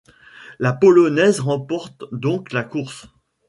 La Polonaise remporte donc la course.